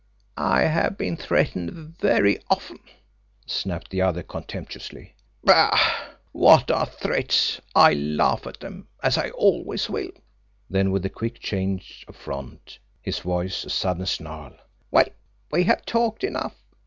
"I have been threatened very often," snapped the other contemptuously. "Bah, what are threats! I laugh at them as I always will." Then, with a quick change of front, his voice a sudden snarl: "Well, we have talked enough.